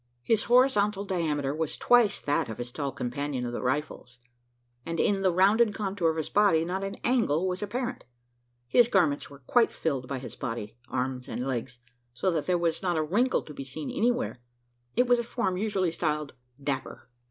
His horizontal diameter was twice that of his tall companion of the rifles; and in the rounded contour of his body, not an angle was apparent. His garments were quite filled by his body, arms and legs so that there was not a wrinkle to be seen anywhere. It was a form usually styled "dapper."